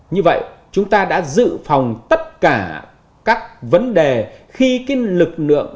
như vậy chúng ta đã dự phòng tất cả các vấn đề khi cái lực lượng